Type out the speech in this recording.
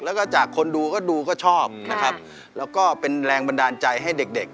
แล้วก็จากคนดูก็ดูก็ชอบนะครับแล้วก็เป็นแรงบันดาลใจให้เด็กเด็ก